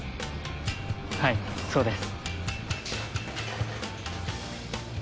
はいそうです。